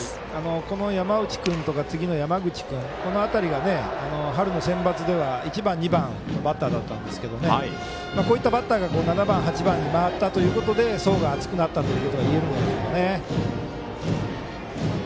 この山内君とか次の山口君この辺りが春のセンバツでは１番、２番のバッターだったんですがこういうバッターが７番、８番に回ったことで層が厚くなったことがいえるんじゃないでしょうか。